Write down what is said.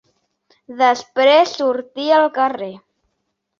Després sortí al carrer